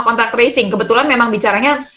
kontrak tracing kebetulan memang bicaranya